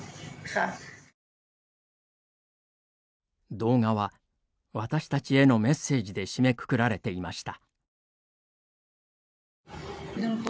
動画は私たちへのメッセージで締めくくられていました。